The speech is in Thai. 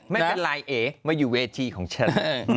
ไม่เป็นไรเอ๋มาอยู่เวทีของฉัน